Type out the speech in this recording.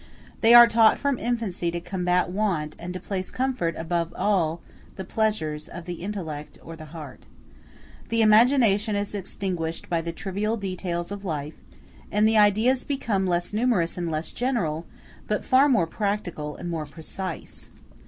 They are taught from infancy to combat want, and to place comfort above all the pleasures of the intellect or the heart. The imagination is extinguished by the trivial details of life, and the ideas become less numerous and less general, but far more practical and more precise.